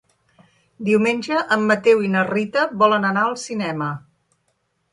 Diumenge en Mateu i na Rita volen anar al cinema.